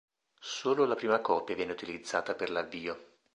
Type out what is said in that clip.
Solo la prima copia viene utilizzata per l'avvio.